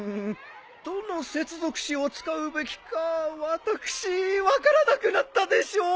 どの接続詞を使うべきか私分からなくなったでしょう！